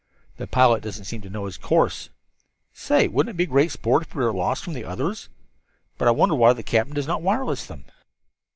"The pilot doesn't seem to know the course. Say, wouldn't it be great sport if we should be lost from the others? But I wonder why the captain does not wireless them?"